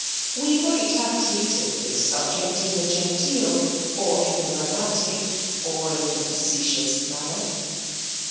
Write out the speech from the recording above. We might have treated this subject in the genteel, or in the romantic, or in the facetious manner.